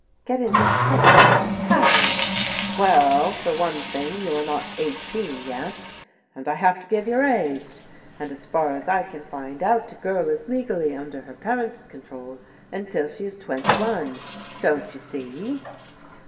" Get into trouble. How ?"" Well, for one thing you are not eighteen yet, ind I have to give your age, and as far as I can find out a girl is legally under her parent's control until she is twenty one. Don't you see?"